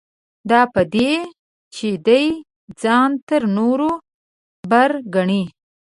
دا په دې چې دی ځان تر نورو بر ګڼي.